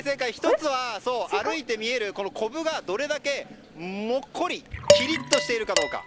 １つは歩いて見えるコブがどれだけもっこりきりっとしているかどうか。